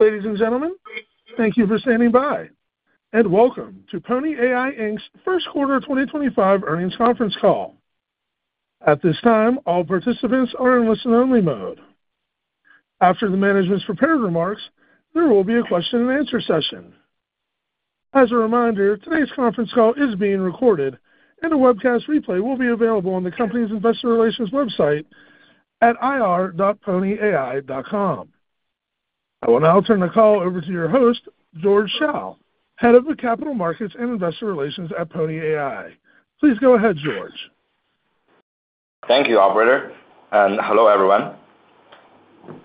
Ladies and gentlemen, thank you for standing by, and welcome to Pony AI's first quarter 2025 earnings conference call. At this time, all participants are in listen-only mode. After the management's prepared remarks, there will be a question-and-answer session. As a reminder, today's conference call is being recorded, and a webcast replay will be available on the company's Investor Relations website at ir.ponyai.com. I will now turn the call over to your host, George Shao, Head of Capital Markets and Investor Relations at Pony AI. Please go ahead, George. Thank you, Operator, and hello everyone.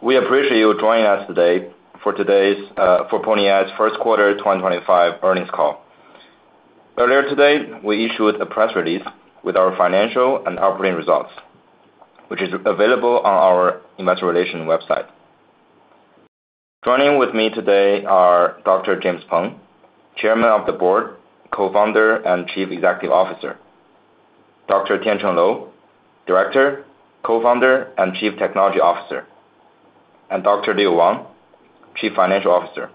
We appreciate you joining us today for today's Pony AI's first quarter 2025 earnings call. Earlier today, we issued a press release with our financial and operating results, which is available on our Investor Relations website. Joining with me today are Dr. James Peng, Chairman of the Board, Co-founder and Chief Executive Officer; Dr. Tiancheng Lou, Director, Co-founder and Chief Technology Officer; and Dr. Leo Wang, Chief Financial Officer.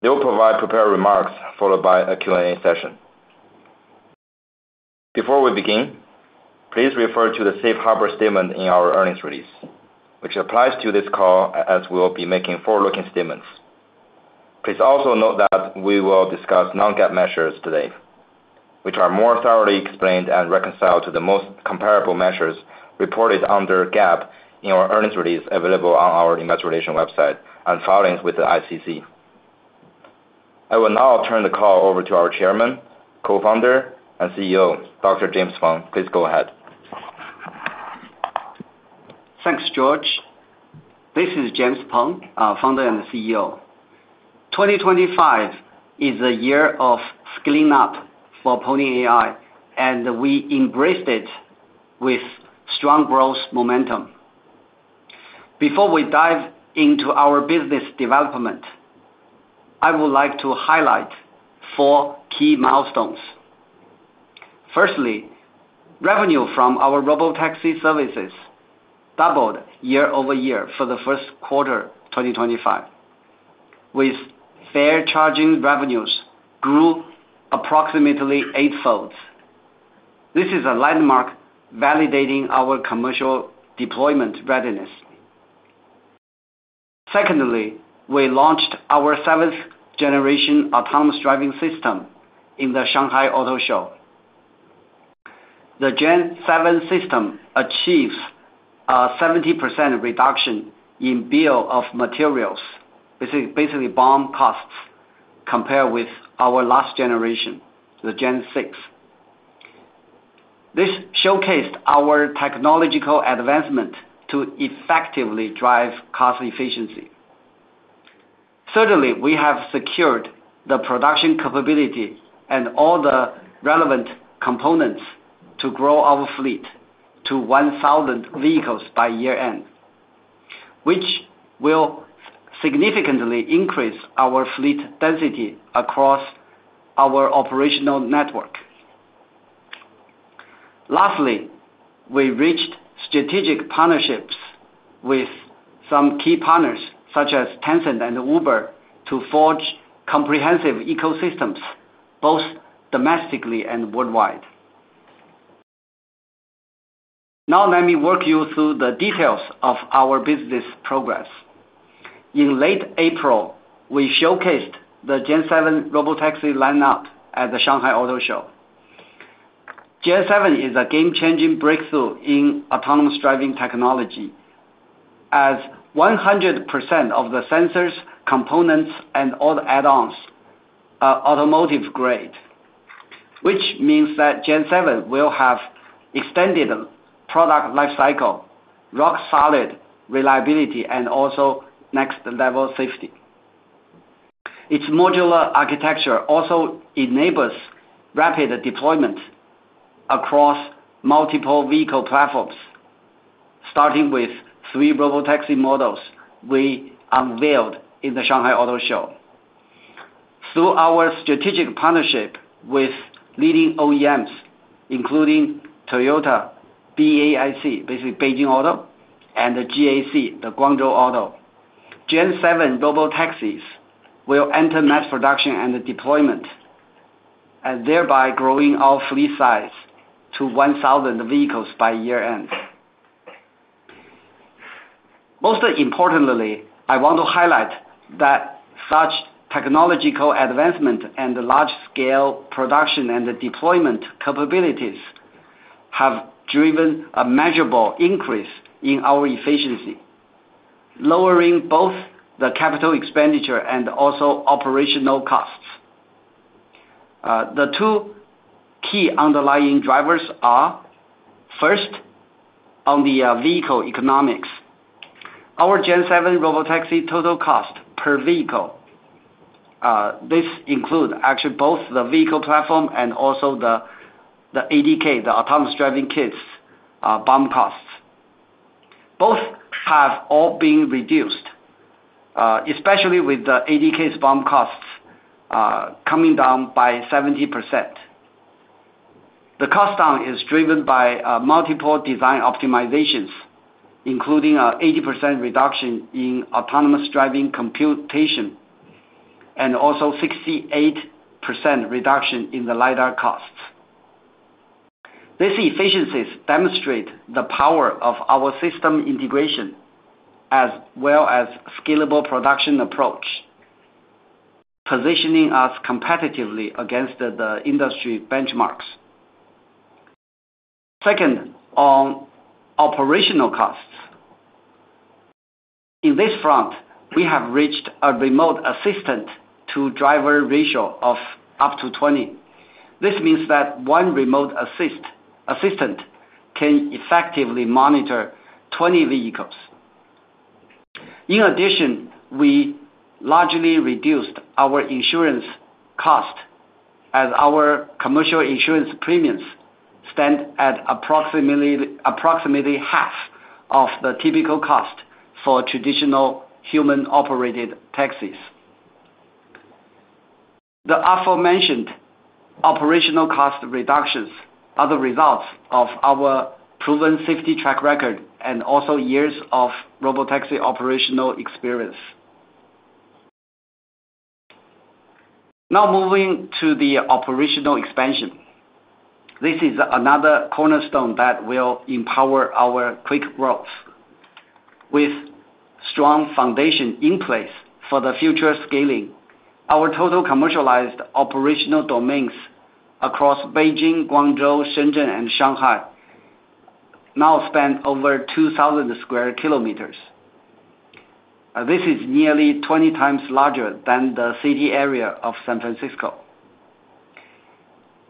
They will provide prepared remarks followed by a Q&A session. Before we begin, please refer to the safe harbor statement in our earnings release, which applies to this call as we will be making forward-looking statements. Please also note that we will discuss non-GAAP measures today, which are more thoroughly explained and reconciled to the most comparable measures reported under GAAP in our earnings release available on our Investor Relations website and filings with the ICC. I will now turn the call over to our Chairman, Co-founder, and CEO, Dr. James Peng. Please go ahead. Thanks, George. This is James Peng, Founder and the CEO. 2025 is a year of scaling up for Pony AI, and we embraced it with strong growth momentum. Before we dive into our business development, I would like to highlight four key milestones. Firstly, revenue from our Robotaxi services doubled year over year for the first quarter 2025, with fare charging revenues growing approximately eightfold. This is a landmark validating our commercial deployment readiness. Secondly, we launched our seventh-generation autonomous driving system in the Shanghai Auto Show. The Gen 7 system achieves a 70% reduction in bill of materials, basically BOM costs, compared with our last generation, the Gen 6. This showcased our technological advancement to effectively drive cost efficiency. Thirdly, we have secured the production capability and all the relevant components to grow our fleet to 1,000 vehicles by year-end, which will significantly increase our fleet density across our operational network. Lastly, we reached strategic partnerships with some key partners such as Tencent and Uber to forge comprehensive ecosystems both domestically and worldwide. Now let me walk you through the details of our business progress. In late April, we showcased the Gen 7 Robotaxi lineup at the Shanghai Auto Show. Gen 7 is a game-changing breakthrough in autonomous driving technology as 100% of the sensors, components, and all add-ons are automotive-grade, which means that Gen 7 will have extended product lifecycle, rock-solid reliability, and also next-level safety. Its modular architecture also enables rapid deployment across multiple vehicle platforms, starting with three Robotaxi models we unveiled in the Shanghai Auto Show. Through our strategic partnership with leading OEMs, including Toyota, BAIC, basically Beijing Auto, and GAC, the Guangzhou Auto, Gen 7 Robotaxis will enter mass production and deployment, thereby growing our fleet size to 1,000 vehicles by year-end. Most importantly, I want to highlight that such technological advancement and large-scale production and deployment capabilities have driven a measurable increase in our efficiency, lowering both the capital expenditure and also operational costs. The two key underlying drivers are, first, on the vehicle economics, our Gen 7 Robotaxi total cost per vehicle. This includes actually both the vehicle platform and also the ADK, the autonomous driving kits, BOM costs. Both have all been reduced, especially with the ADK's BOM costs coming down by 70%. The cost down is driven by multiple design optimizations, including an 80% reduction in autonomous driving computation and also a 68% reduction in the LiDAR costs. These efficiencies demonstrate the power of our system integration as well as a scalable production approach, positioning us competitively against the industry benchmarks. Second, on operational costs. In this front, we have reached a remote assistant-to-driver ratio of up to 20. This means that one remote assistant can effectively monitor 20 vehicles. In addition, we largely reduced our insurance cost as our commercial insurance premiums stand at approximately half of the typical cost for traditional human-operated taxis. The aforementioned operational cost reductions are the results of our proven safety track record and also years of Robotaxi operational experience. Now moving to the operational expansion. This is another cornerstone that will empower our quick growth. With strong foundation in place for the future scaling, our total commercialized operational domains across Beijing, Guangzhou, Shenzhen, and Shanghai now span over 2,000 sq km. This is nearly 20 times larger than the city area of San Francisco.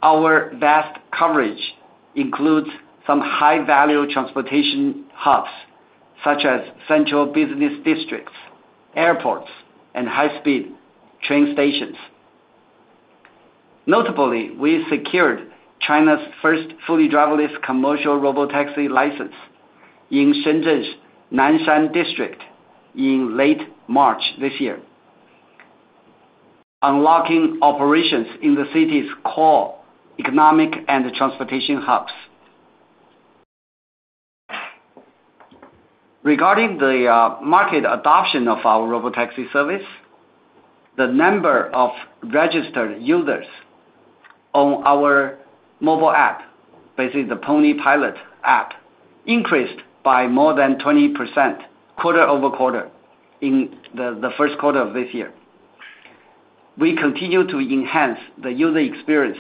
Our vast coverage includes some high-value transportation hubs such as central business districts, airports, and high-speed train stations. Notably, we secured China's first fully driverless commercial Robotaxi license in Shenzhen's Nanshan District in late March this year, unlocking operations in the city's core economic and transportation hubs. Regarding the market adoption of our Robotaxi service, the number of registered users on our mobile app, basically the PonyPilot app, increased by more than 20% quarter over quarter in the first quarter of this year. We continue to enhance the user experience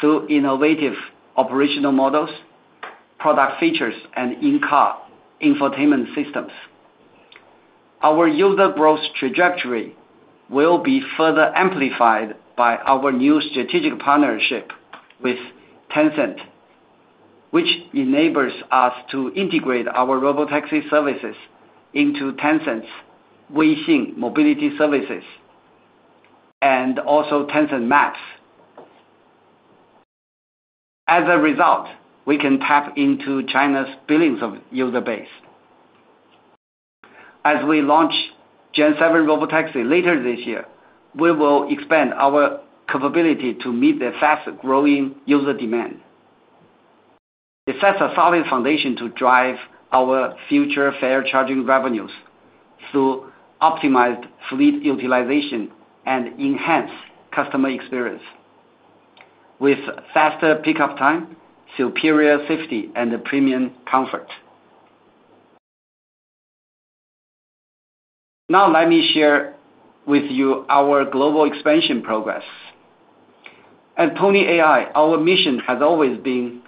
through innovative operational models, product features, and in-car infotainment systems. Our user growth trajectory will be further amplified by our new strategic partnership with Tencent, which enables us to integrate our Robotaxi services into Tencent's WeXing mobility services and also Tencent Maps. As a result, we can tap into China's billions of user base. As we launch Gen 7 Robotaxi later this year, we will expand our capability to meet the fast-growing user demand. It sets a solid foundation to drive our future fare charging revenues through optimized fleet utilization and enhanced customer experience with faster pickup time, superior safety, and premium comfort. Now let me share with you our global expansion progress. At Pony AI, our mission has always been,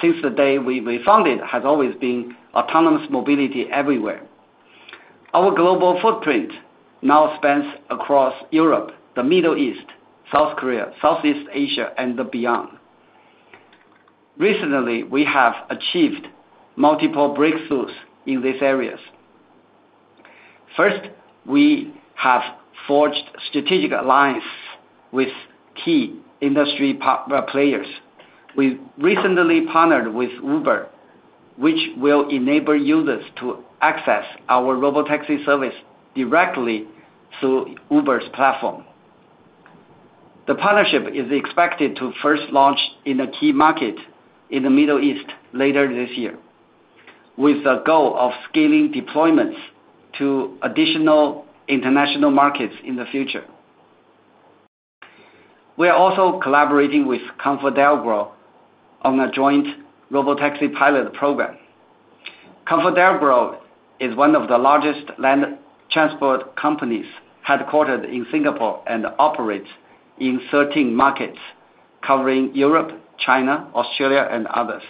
since the day we founded, has always been autonomous mobility everywhere. Our global footprint now spans across Europe, the Middle East, South Korea, Southeast Asia, and beyond. Recently, we have achieved multiple breakthroughs in these areas. First, we have forged strategic alliances with key industry players. We recently partnered with Uber, which will enable users to access our Robotaxi service directly through Uber's platform. The partnership is expected to first launch in a key market in the Middle East later this year, with the goal of scaling deployments to additional international markets in the future. We are also collaborating with ComfortDelGro on a joint Robotaxi pilot program. ComfortDelGro is one of the largest land transport companies headquartered in Singapore and operates in 13 markets covering Europe, China, Australia, and others.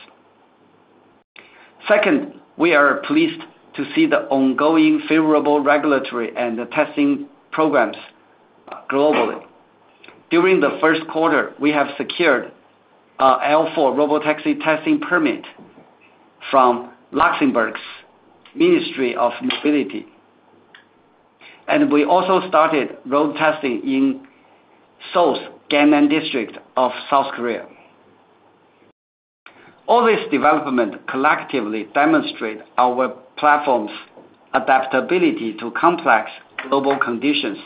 Second, we are pleased to see the ongoing favorable regulatory and testing programs globally. During the first quarter, we have secured an L4 Robotaxi testing permit from Luxembourg's Ministry of Mobility, and we also started road testing in Seoul's Gangnam District of South Korea. All these developments collectively demonstrate our platform's adaptability to complex global conditions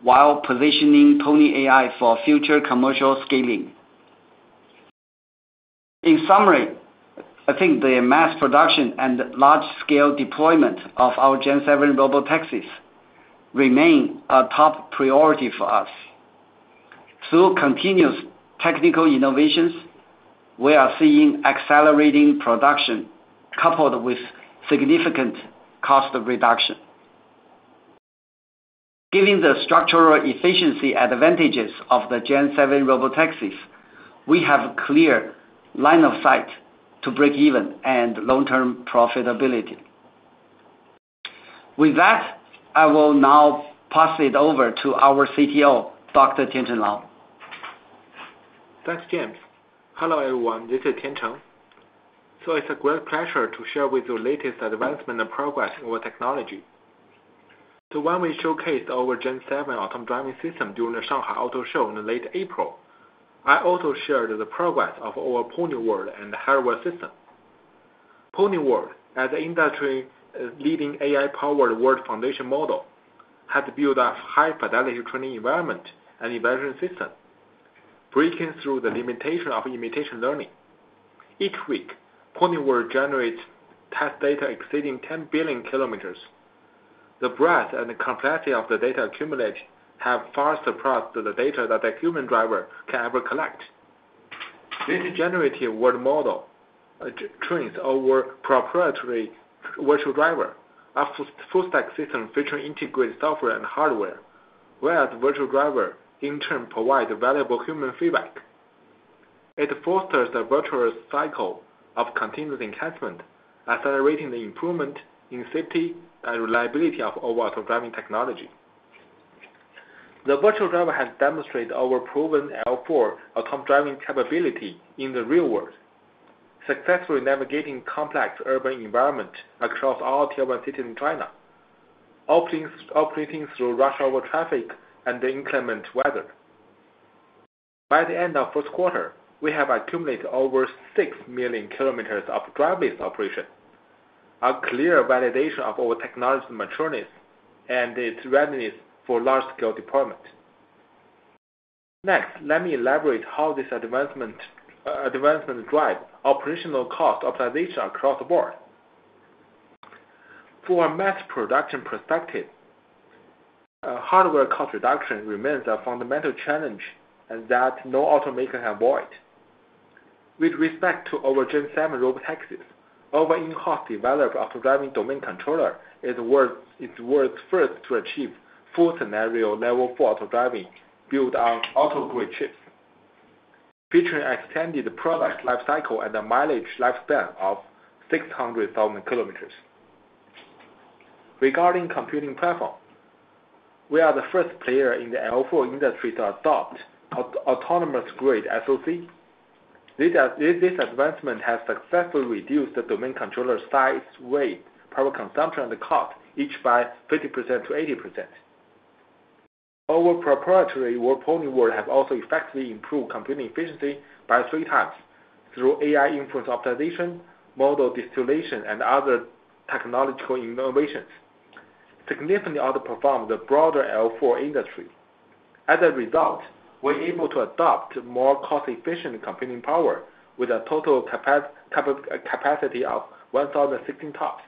while positioning Pony AI for future commercial scaling. In summary, I think the mass production and large-scale deployment of our Gen 7 Robotaxis remain a top priority for us. Through continuous technical innovations, we are seeing accelerating production coupled with significant cost reduction. Given the structural efficiency advantages of the Gen 7 Robotaxis, we have a clear line of sight to break even and long-term profitability. With that, I will now pass it over to our CTO, Dr. Tiancheng Lou. Thanks, James. Hello everyone. This is Tiancheng. It is a great pleasure to share with you the latest advancement and progress in our technology. When we showcased our Gen 7 autonomous driving system during the Shanghai Auto Show in late April, I also shared the progress of our Pony World and the Harrier system. Pony World, as an industry-leading AI-powered world foundation model, has built a high-fidelity training environment and evaluation system, breaking through the limitation of imitation learning. Each week, Pony World generates test data exceeding 10 billion kilometers. The breadth and complexity of the data accumulated have far surpassed the data that a human driver can ever collect. This generative world model trains our proprietary virtual driver, a full-stack system featuring integrated software and hardware, whereas the virtual driver, in turn, provides valuable human feedback. It fosters a virtuous cycle of continuous enhancement, accelerating the improvement in safety and reliability of our auto driving technology. The virtual driver has demonstrated our proven L4 autonomous driving capability in the real world, successfully navigating complex urban environments across all Tier 1 cities in China, operating through rush-hour traffic and inclement weather. By the end of the first quarter, we have accumulated over 6 million kilometers of driverless operation, a clear validation of our technology's maturity and its readiness for large-scale deployment. Next, let me elaborate how this advancement drives operational cost optimization across the board. From a mass production perspective, hardware cost reduction remains a fundamental challenge that no automaker can avoid. With respect to our Gen 7 Robotaxis, our in-house developed auto driving domain controller is worth first to achieve full scenario level for auto driving built on auto-grade chips, featuring an extended product lifecycle and a mileage lifespan of 600,000 km. Regarding computing platform, we are the first player in the L4 industry to adopt autonomous-grade SoC. This advancement has successfully reduced the domain controller's size, weight, power consumption, and cost each by 50%-80%. Our proprietary Pony World has also effectively improved computing efficiency by three times through AI-inference optimization, model distillation, and other technological innovations, significantly outperforming the broader L4 industry. As a result, we are able to adopt more cost-efficient computing power with a total capacity of 1,060 TOPS.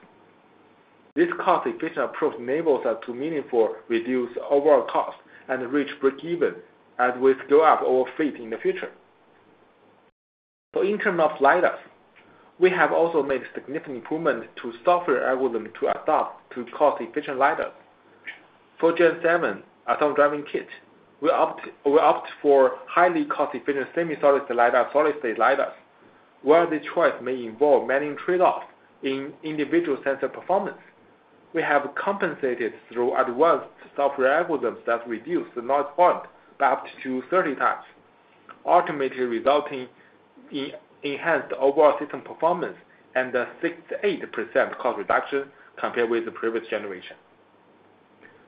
This cost-efficient approach enables us to meaningfully reduce overall cost and reach break-even as we scale up our fleet in the future. In terms of LiDARs, we have also made significant improvements to software algorithms to adopt cost-efficient LiDARs. For Gen 7 autonomous driving kits, we opt for highly cost-efficient semi-solid state LiDARs, solid state LiDARs, where the choice may involve many trade-offs in individual sensor performance. We have compensated through advanced software algorithms that reduce the noise point by up to 30 times, ultimately resulting in enhanced overall system performance and a 68% cost reduction compared with the previous generation.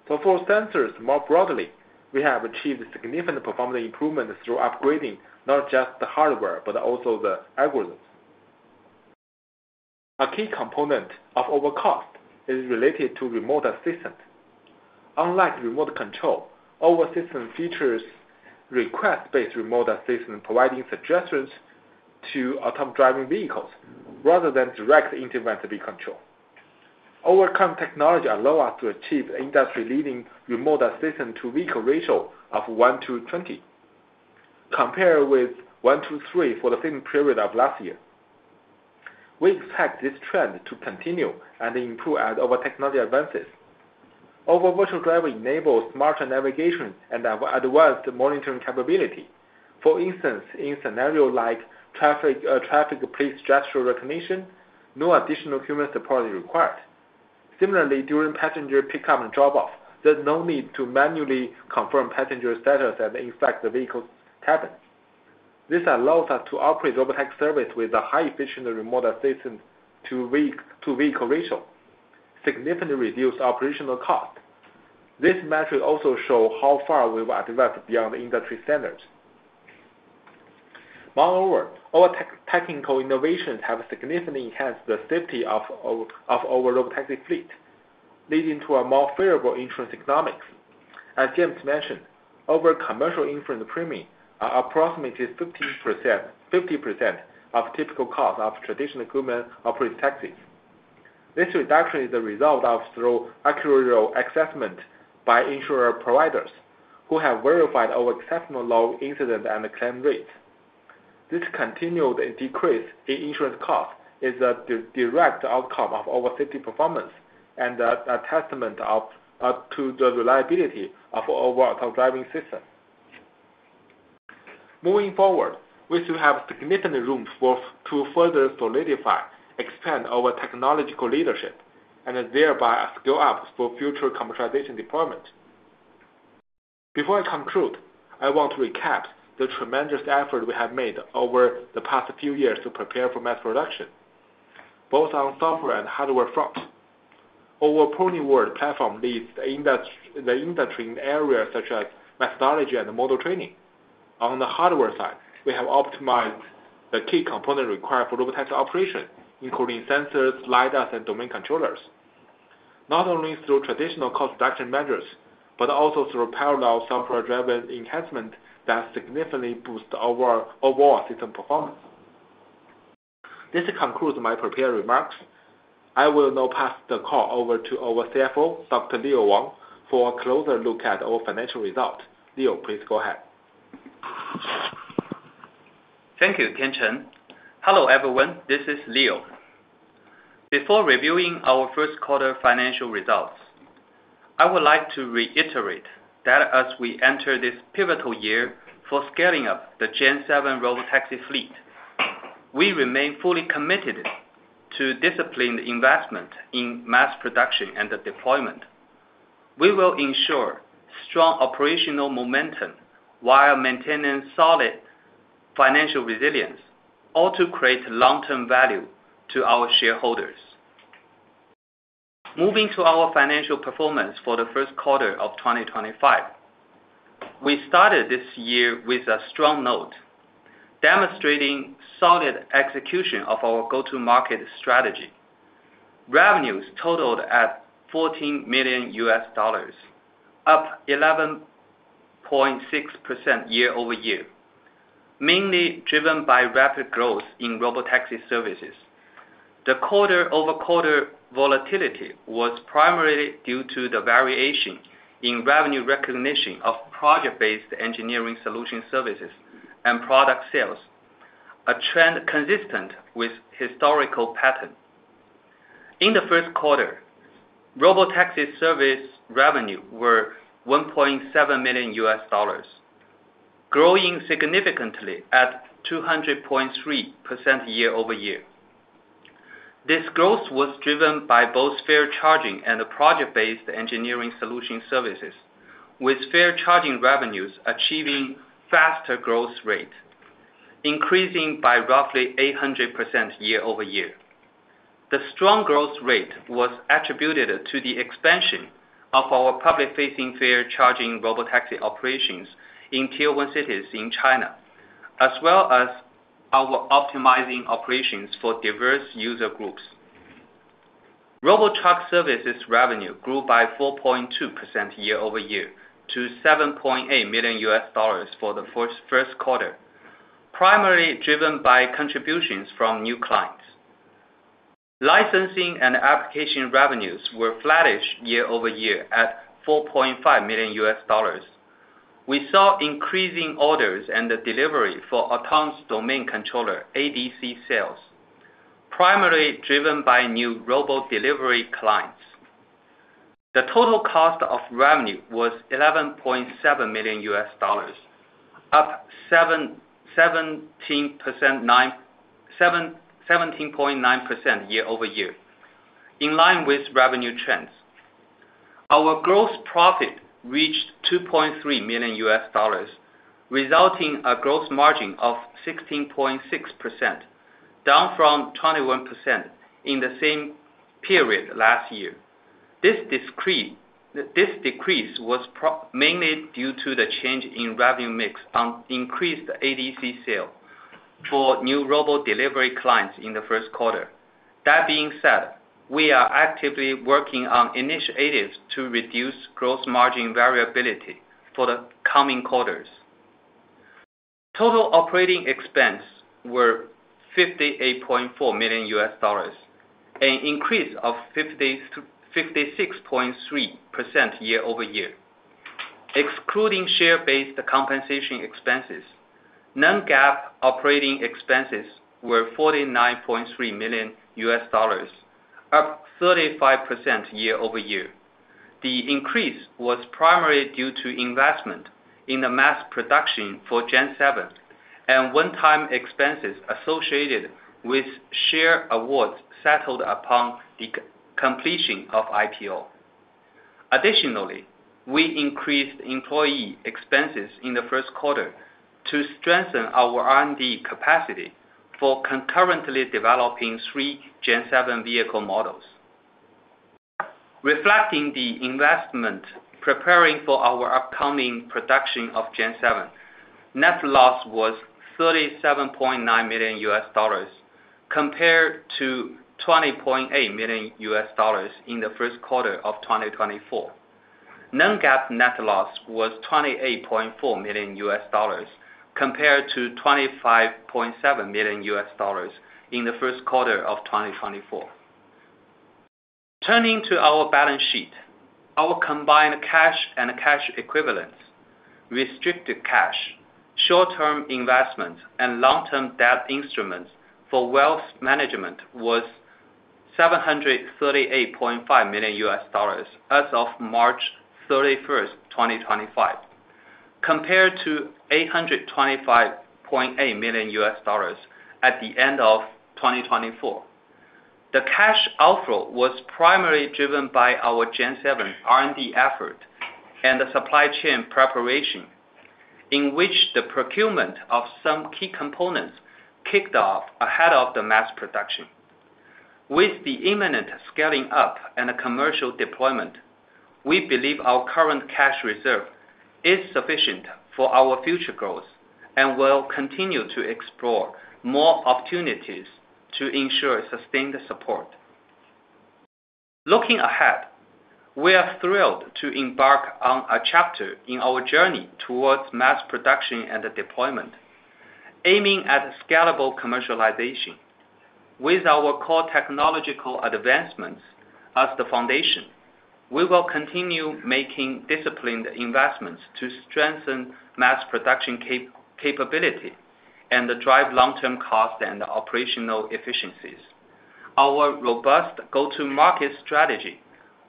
For sensors more broadly, we have achieved significant performance improvements through upgrading not just the hardware but also the algorithms. A key component of our cost is related to remote assistance. Unlike remote control, our system features request-based remote assistance, providing suggestions to autonomous driving vehicles rather than direct intervention to be controlled. Our current technology allows us to achieve industry-leading remote assistance-to-vehicle ratio of 1 to 20, compared with 1 to 3 for the same period of last year. We expect this trend to continue and improve as our technology advances. Our virtual driver enables smarter navigation and advanced monitoring capability. For instance, in scenarios like traffic police gesture recognition, no additional human support is required. Similarly, during passenger pickup and drop-off, there's no need to manually confirm passenger status and inspect the vehicle's cabin. This allows us to operate Robotaxi service with a high-efficient remote assistance-to-vehicle ratio, significantly reducing operational cost. This metric also shows how far we've advanced beyond industry standards. Moreover, our technical innovations have significantly enhanced the safety of our Robotaxi fleet, leading to a more favorable insurance economics. As James mentioned, our commercial insurance premium is approximately 50% of typical cost of traditional government operating taxis. This reduction is the result of thorough, accurate assessment by insurer providers who have verified our exceptional low incident and claim rates. This continued decrease in insurance cost is a direct outcome of our safety performance and a testament to the reliability of our auto driving system. Moving forward, we still have significant room to further solidify, expand our technological leadership, and thereby scale up for future commercialization deployment. Before I conclude, I want to recap the tremendous effort we have made over the past few years to prepare for mass production, both on software and hardware fronts. Our Pony World platform leads the industry in areas such as methodology and model training. On the hardware side, we have optimized the key components required for Robotaxi operation, including sensors, LiDARs, and domain controllers, not only through traditional cost-reduction measures but also through parallel software-driven enhancements that significantly boost our overall system performance. This concludes my prepared remarks. I will now pass the call over to our CFO, Dr. Leo Wang, for a closer look at our financial results. Leo, please go ahead. Thank you, Tiancheng. Hello everyone. This is Leo. Before reviewing our first quarter financial results, I would like to reiterate that as we enter this pivotal year for scaling up the Gen 7 Robotaxi fleet, we remain fully committed to disciplined investment in mass production and deployment. We will ensure strong operational momentum while maintaining solid financial resilience all to create long-term value to our shareholders. Moving to our financial performance for the first quarter of 2025, we started this year with a strong note, demonstrating solid execution of our go-to-market strategy. Revenues totaled at $14 million, up 11.6% year over year, mainly driven by rapid growth in Robotaxi services. The quarter-over-quarter volatility was primarily due to the variation in revenue recognition of project-based engineering solution services and product sales, a trend consistent with historical pattern. In the first quarter, Robotaxi service revenues were $1.7 million, growing significantly at 200.3% year over year. This growth was driven by both fare charging and project-based engineering solution services, with fare charging revenues achieving faster growth rates, increasing by roughly 800% year over year. The strong growth rate was attributed to the expansion of our public-facing fare charging Robotaxi operations in Tier 1 cities in China, as well as our optimizing operations for diverse user groups. Robot truck services revenues grew by 4.2% year over year to $7.8 million for the first quarter, primarily driven by contributions from new clients. Licensing and application revenues were flattish year over year at $4.5 million. We saw increasing orders and delivery for autonomous domain controller (ADC) sales, primarily driven by new robot delivery clients. The total cost of revenue was $11.7 million, up 17.9% year over year, in line with revenue trends. Our gross profit reached $2.3 million, resulting in a gross margin of 16.6%, down from 21% in the same period last year. This decrease was mainly due to the change in revenue mix on increased ADC sales for new robot delivery clients in the first quarter. That being said, we are actively working on initiatives to reduce gross margin variability for the coming quarters. Total operating expenses were $58.4 million, an increase of 56.3% year over year. Excluding share-based compensation expenses, non-GAAP operating expenses were $49.3 million, up 35% year over year. The increase was primarily due to investment in the mass production for Gen 7 and one-time expenses associated with share awards settled upon the completion of IPO. Additionally, we increased employee expenses in the first quarter to strengthen our R&D capacity for concurrently developing three Gen 7 vehicle models. Reflecting the investment preparing for our upcoming production of Gen 7, net loss was $37.9 million, compared to $20.8 million in the first quarter of 2024. Non-GAAP net loss was $28.4 million, compared to $25.7 million in the first quarter of 2024. Turning to our balance sheet, our combined cash and cash equivalents, restricted cash, short-term investments, and long-term debt instruments for wealth management was $738.5 million as of March 31, 2025, compared to $825.8 million at the end of 2024. The cash outflow was primarily driven by our Gen 7 R&D effort and the supply chain preparation, in which the procurement of some key components kicked off ahead of the mass production. With the imminent scaling up and commercial deployment, we believe our current cash reserve is sufficient for our future growth and will continue to explore more opportunities to ensure sustained support. Looking ahead, we are thrilled to embark on a chapter in our journey towards mass production and deployment, aiming at scalable commercialization. With our core technological advancements as the foundation, we will continue making disciplined investments to strengthen mass production capability and drive long-term cost and operational efficiencies. Our robust go-to-market strategy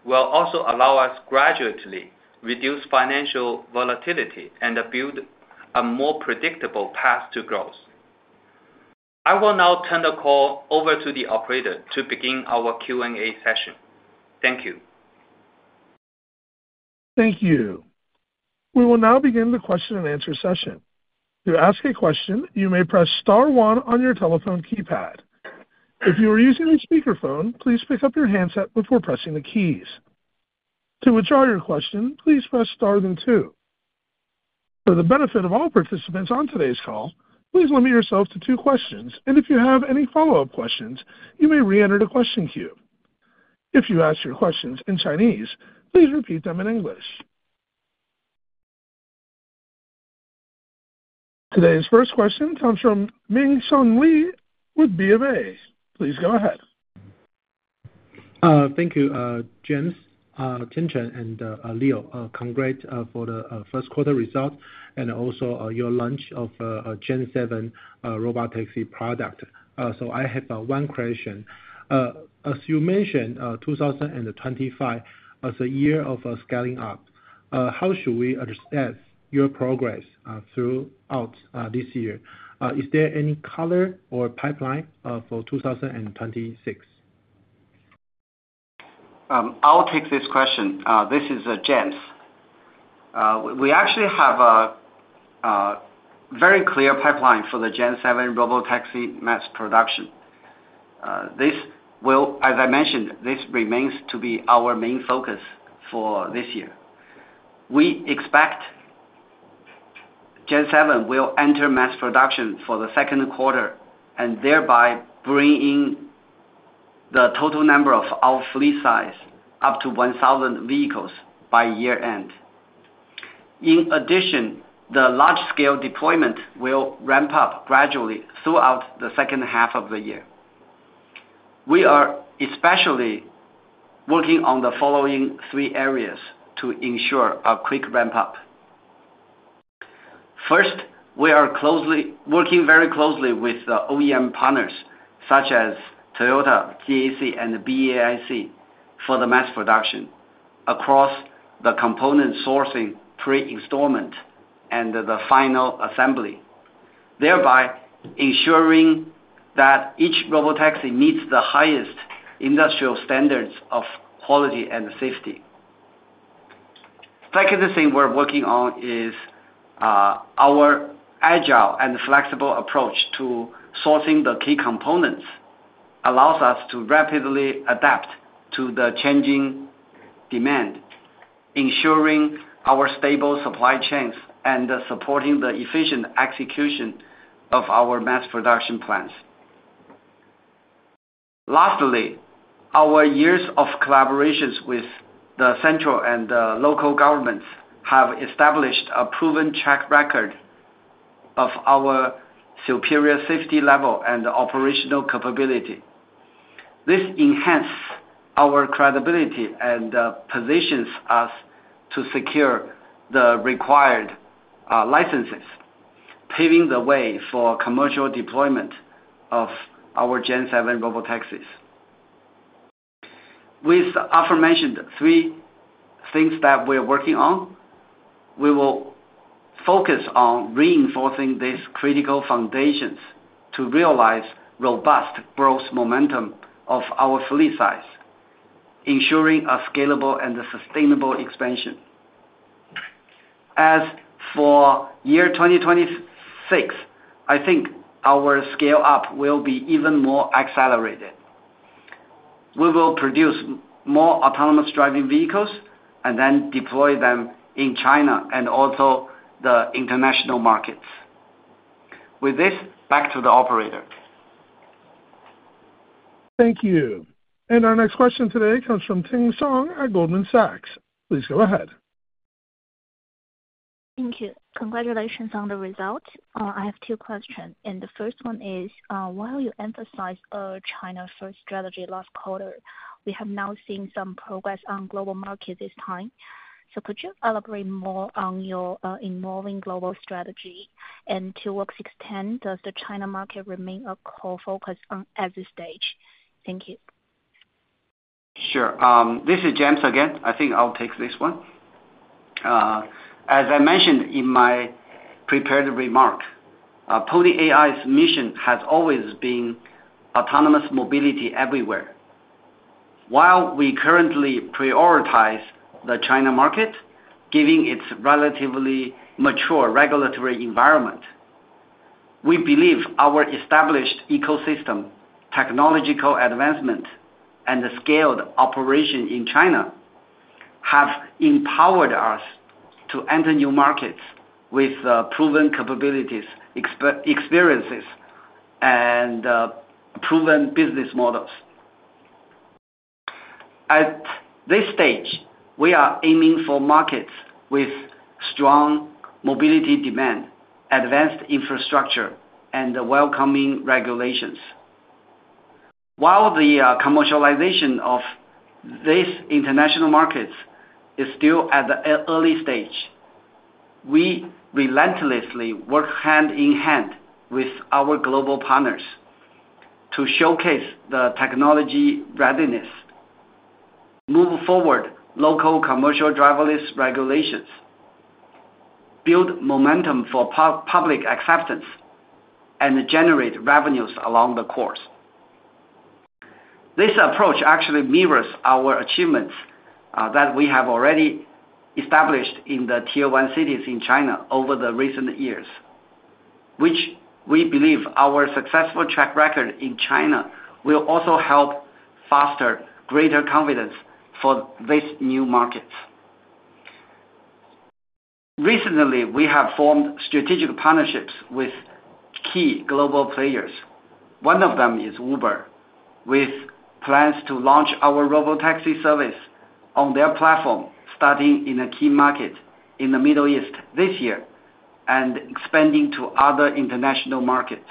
will also allow us to gradually reduce financial volatility and build a more predictable path to growth. I will now turn the call over to the operator to begin our Q&A session. Thank you. Thank you. We will now begin the question-and-answer session. To ask a question, you may press star one on your telephone keypad. If you are using a speakerphone, please pick up your handset before pressing the keys. To withdraw your question, please press star then two. For the benefit of all participants on today's call, please limit yourself to two questions, and if you have any follow-up questions, you may re-enter the question queue. If you ask your questions in Chinese, please repeat them in English. Today's first question comes from Ming Hsun Lee with BofA. Please go ahead. Thank you, James, Tiancheng, and Leo. Congrats for the first quarter results and also your launch of Gen 7 Robotaxi product. I have one question. As you mentioned, 2025 is a year of scaling up. How should we assess your progress throughout this year? Is there any color or pipeline for 2026? I'll take this question. This is James. We actually have a very clear pipeline for the Gen 7 Robotaxi mass production. As I mentioned, this remains to be our main focus for this year. We expect Gen 7 will enter mass production for the second quarter and thereby bring in the total number of our fleet size up to 1,000 vehicles by year-end. In addition, the large-scale deployment will ramp up gradually throughout the second half of the year. We are especially working on the following three areas to ensure a quick ramp-up. First, we are working very closely with OEM partners such as Toyota, GAC, and BAIC for the mass production across the component sourcing, pre-installment, and the final assembly, thereby ensuring that each Robotaxi meets the highest industrial standards of quality and safety. Second thing we're working on is our agile and flexible approach to sourcing the key components allows us to rapidly adapt to the changing demand, ensuring our stable supply chains and supporting the efficient execution of our mass production plans. Lastly, our years of collaborations with the central and local governments have established a proven track record of our superior safety level and operational capability. This enhanced our credibility and positions us to secure the required licenses, paving the way for commercial deployment of our Gen 7 Robotaxis. With the aforementioned three things that we're working on, we will focus on reinforcing these critical foundations to realize robust growth momentum of our fleet size, ensuring a scalable and sustainable expansion. As for year 2026, I think our scale-up will be even more accelerated. We will produce more autonomous driving vehicles and then deploy them in China and also the international markets. With this, back to the operator. Thank you. Our next question today comes from Ting Song at Goldman Sachs. Please go ahead. Thank you. Congratulations on the results. I have two questions. The first one is, while you emphasized a China-first strategy last quarter, we have now seen some progress on global markets this time. Could you elaborate more on your evolving global strategy? To what extent does the China market remain a core focus at this stage? Thank you. Sure. This is James again. I think I'll take this one. As I mentioned in my prepared remark, Pony AI's mission has always been autonomous mobility everywhere. While we currently prioritize the China market, given its relatively mature regulatory environment, we believe our established ecosystem, technological advancement, and scaled operation in China have empowered us to enter new markets with proven capabilities, experiences, and proven business models. At this stage, we are aiming for markets with strong mobility demand, advanced infrastructure, and welcoming regulations. While the commercialization of these international markets is still at the early stage, we relentlessly work hand in hand with our global partners to showcase the technology readiness, move forward local commercial driverless regulations, build momentum for public acceptance, and generate revenues along the course. This approach actually mirrors our achievements that we have already established in the Tier 1 cities in China over the recent years, which we believe our successful track record in China will also help foster greater confidence for these new markets. Recently, we have formed strategic partnerships with key global players. One of them is Uber, with plans to launch our Robotaxi service on their platform starting in a key market in the Middle East this year and expanding to other international markets.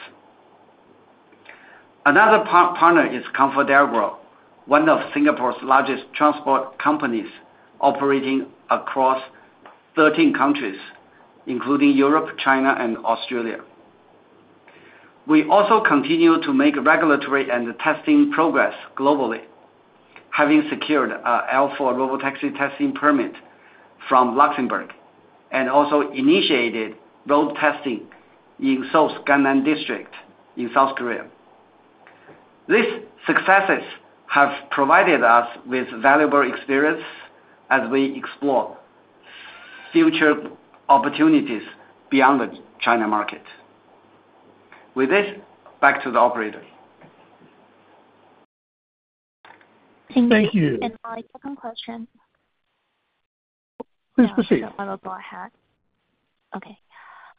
Another partner is ComfortDelGro, one of Singapore's largest transport companies operating across 13 countries, including Europe, China, and Australia. We also continue to make regulatory and testing progress globally, having secured an L4 Robotaxi testing permit from Luxembourg and also initiated road testing in Seoul's Gangnam District in South Korea. These successes have provided us with valuable experience as we explore future opportunities beyond the China market. With this, back to the operator. Thank you. Thank you. My second question. Please proceed. I will go ahead. Okay.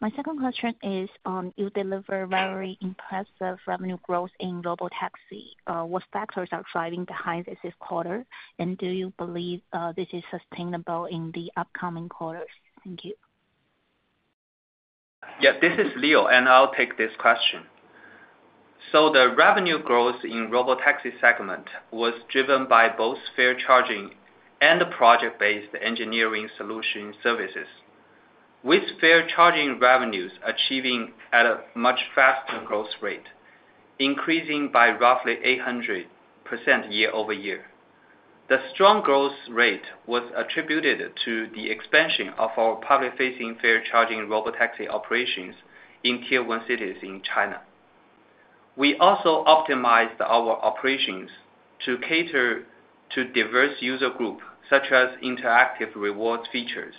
My second question is, you deliver very impressive revenue growth in Robotaxi. What factors are driving behind this quarter? Do you believe this is sustainable in the upcoming quarters? Thank you. Yes, this is Leo, and I'll take this question. The revenue growth in the Robotaxi segment was driven by both fare charging and project-based engineering solution services, with fare charging revenues achieving at a much faster growth rate, increasing by roughly 800% year over year. The strong growth rate was attributed to the expansion of our public-facing fare charging Robotaxi operations in Tier 1 cities in China. We also optimized our operations to cater to diverse user groups, such as interactive rewards features.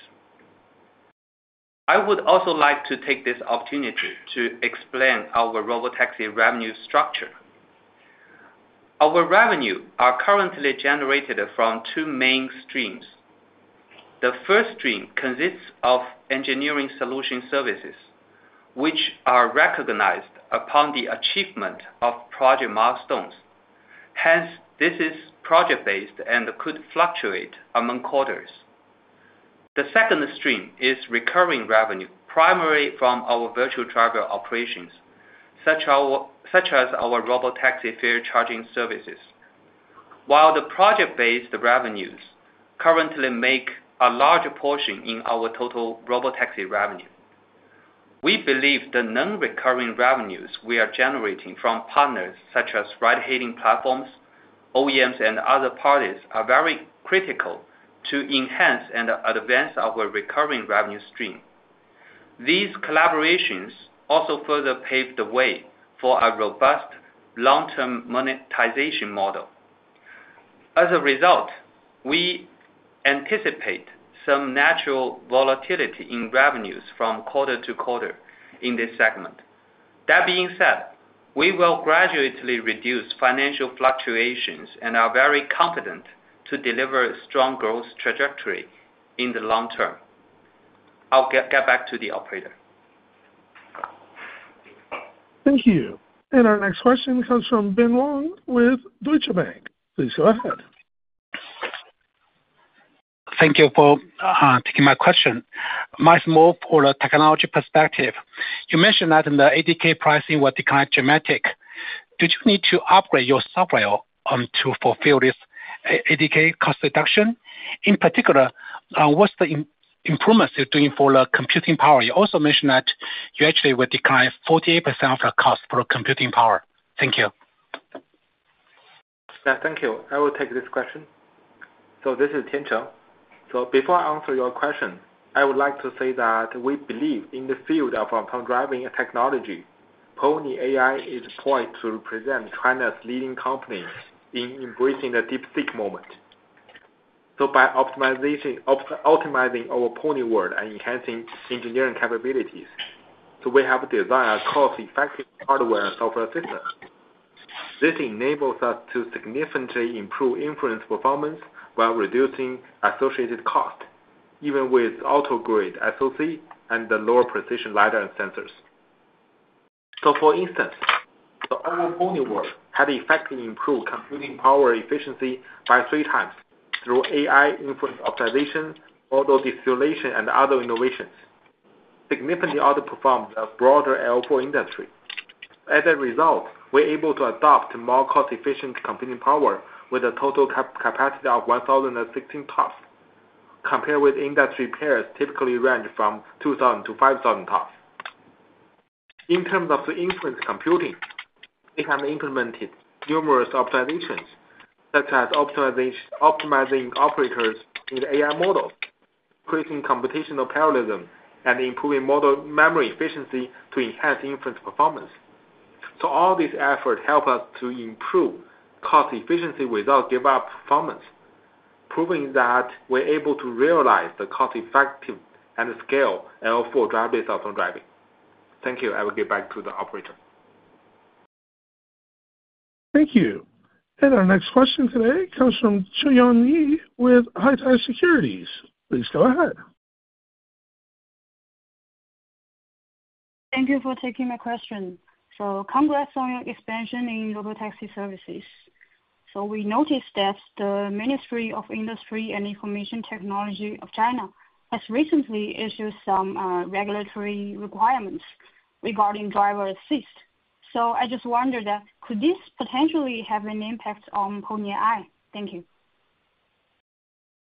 I would also like to take this opportunity to explain our Robotaxi revenue structure. Our revenues are currently generated from two main streams. The first stream consists of engineering solution services, which are recognized upon the achievement of project milestones. Hence, this is project-based and could fluctuate among quarters. The second stream is recurring revenue, primarily from our virtual driver operations, such as our Robotaxi fare charging services, while the project-based revenues currently make a large portion in our total Robotaxi revenue. We believe the non-recurring revenues we are generating from partners such as ride-hailing platforms, OEMs, and other parties are very critical to enhance and advance our recurring revenue stream. These collaborations also further pave the way for a robust long-term monetization model. As a result, we anticipate some natural volatility in revenues from quarter to quarter in this segment. That being said, we will gradually reduce financial fluctuations and are very confident to deliver a strong growth trajectory in the long term. I'll get back to the operator. Thank you. Our next question comes from Bin Wang with Deutsche Bank. Please go ahead. Thank you for taking my question. My small, poor technology perspective. You mentioned that in the ADK pricing were declined dramatically. Did you need to upgrade your software to fulfill this ADK cost reduction? In particular, what's the improvements you're doing for the computing power? You also mentioned that you actually were declined 48% of the cost for computing power. Thank you. Yeah, thank you. I will take this question. So this is Tiancheng. Before I answer your question, I would like to say that we believe in the field of autonomous driving technology, Pony AI is poised to represent China's leading company in embracing the deep-seek moment. By optimizing our Pony World and enhancing engineering capabilities, we have designed a cost-effective hardware and software system. This enables us to significantly improve inference performance while reducing associated cost, even with auto-grade SoC and the lower-precision LiDAR and sensors. For instance, our Pony World had effectively improved computing power efficiency by three times through AI inference optimization, auto-distillation, and other innovations, significantly outperforming the broader L4 industry. As a result, we're able to adopt more cost-efficient computing power with a total capacity of 1,016 TOPS, compared with industry peers typically ranging from 2,000-5,000 TOPS. In terms of inference computing, we have implemented numerous optimizations, such as optimizing operators in the AI models, increasing computational parallelism, and improving model memory efficiency to enhance inference performance. All these efforts help us to improve cost efficiency without giving up performance, proving that we're able to realize the cost-effective and scale L4 driverless autonomous driving. Thank you. I will get back to the operator. Thank you. Our next question today comes from Zhu Yongyi with Hai Tai Securities. Please go ahead. Thank you for taking my question. Congrats on your expansion in Robotaxi services. We noticed that the Ministry of Industry and Information Technology of China has recently issued some regulatory requirements regarding driver assist. I just wondered, could this potentially have an impact on Pony AI? Thank you.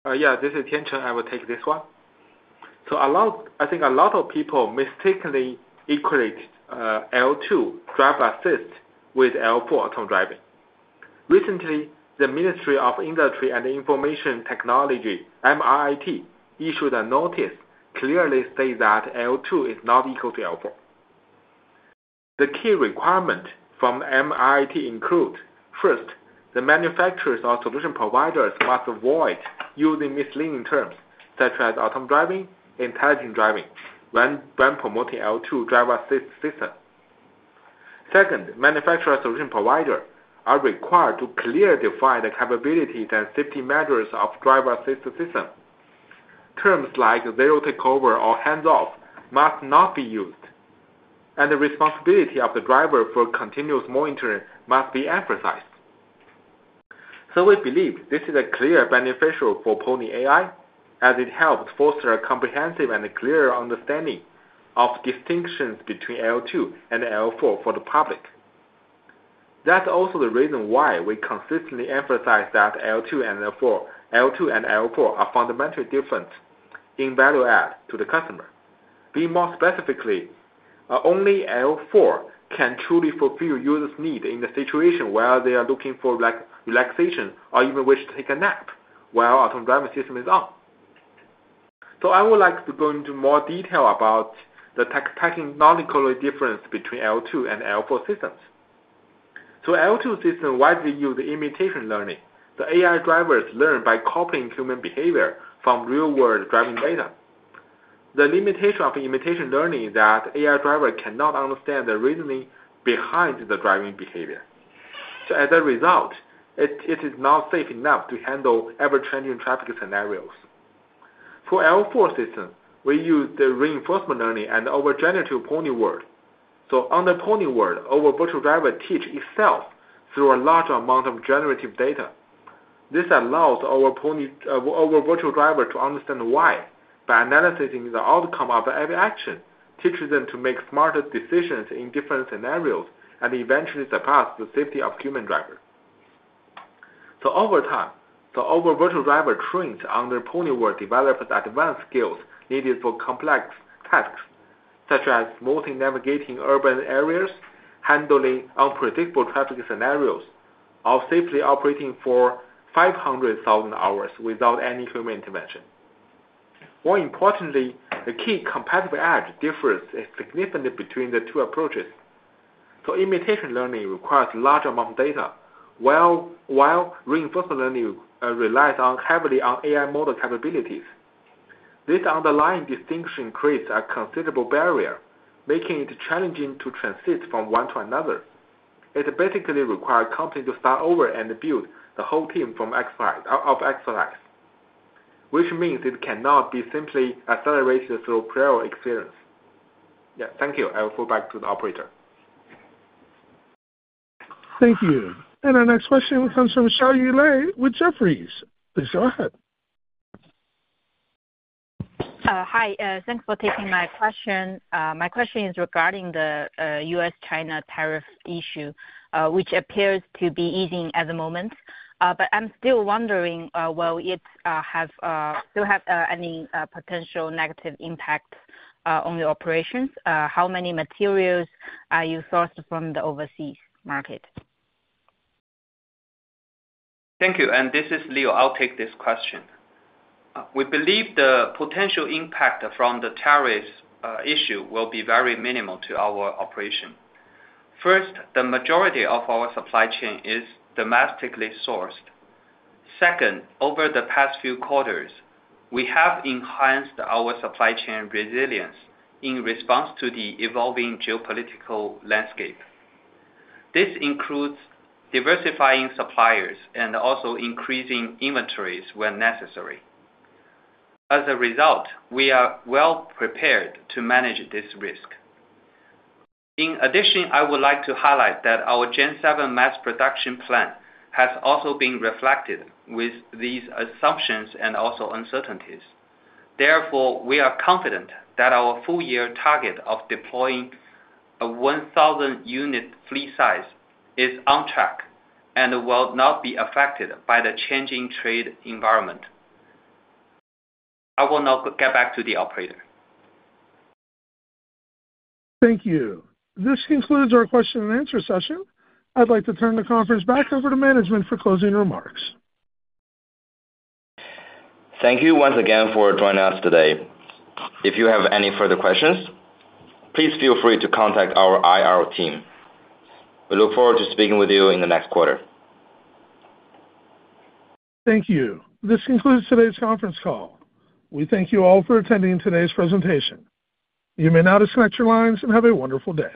Yeah, this is Tiancheng. I will take this one. I think a lot of people mistakenly equate L2 driver assist with L4 autonomous driving. Recently, the Ministry of Industry and Information Technology, MIIT, issued a notice clearly stating that L2 is not equal to L4. The key requirements from MIIT include, first, the manufacturers or solution providers must avoid using misleading terms such as autonomous driving, intelligent driving when promoting L2 driver assist system. Second, manufacturers or solution providers are required to clearly define the capabilities and safety measures of driver assist system. Terms like zero takeover or hands-off must not be used, and the responsibility of the driver for continuous monitoring must be emphasized. We believe this is a clear beneficial for Pony AI, as it helps foster a comprehensive and clear understanding of distinctions between L2 and L4 for the public. That's also the reason why we consistently emphasize that L2 and L4 are fundamentally different in value add to the customer. Being more specifically, only L4 can truly fulfill users' needs in the situation where they are looking for relaxation or even wish to take a nap while the autonomous driving system is on. I would like to go into more detail about the technological difference between L2 and L4 systems. L2 systems widely use imitation learning. The AI drivers learn by copying human behavior from real-world driving data. The limitation of imitation learning is that AI drivers cannot understand the reasoning behind the driving behavior. As a result, it is not safe enough to handle ever-changing traffic scenarios. For L4 systems, we use the reinforcement learning and our generative Pony World. On the Pony World, our virtual driver teaches itself through a large amount of generative data. This allows our virtual driver to understand why, by analyzing the outcome of every action, teaches them to make smarter decisions in different scenarios and eventually surpass the safety of human drivers. Over time, our virtual driver trains on the Pony World, developed advanced skills needed for complex tasks, such as smoothly navigating urban areas, handling unpredictable traffic scenarios, or safely operating for 500,000 hours without any human intervention. More importantly, the key competitive edge differs significantly between the two approaches. Imitation learning requires a large amount of data, while reinforcement learning relies heavily on AI model capabilities. These underlying distinctions create a considerable barrier, making it challenging to transit from one to another. It basically requires a company to start over and build the whole team from exercise, which means it cannot be simply accelerated through prior experience. Yeah, thank you. I will go back to the operator. Thank you. Our next question comes from Xiaoyi Lei with Jefferies. Please go ahead. Hi. Thanks for taking my question. My question is regarding the U.S.-China tariff issue, which appears to be easing at the moment. I'm still wondering, will it still have any potential negative impact on your operations? How many materials are you sourcing from the overseas market? Thank you. This is Leo. I'll take this question. We believe the potential impact from the tariff issue will be very minimal to our operation. First, the majority of our supply chain is domestically sourced. Second, over the past few quarters, we have enhanced our supply chain resilience in response to the evolving geopolitical landscape. This includes diversifying suppliers and also increasing inventories when necessary. As a result, we are well prepared to manage this risk. In addition, I would like to highlight that our Gen 7 mass production plan has also been reflected with these assumptions and also uncertainties. Therefore, we are confident that our full-year target of deploying a 1,000-unit fleet size is on track and will not be affected by the changing trade environment. I will now get back to the operator. Thank you. This concludes our question-and-answer session. I'd like to turn the conference back over to management for closing remarks. Thank you once again for joining us today. If you have any further questions, please feel free to contact our IR team. We look forward to speaking with you in the next quarter. Thank you. This concludes today's conference call. We thank you all for attending today's presentation. You may now disconnect your lines and have a wonderful day.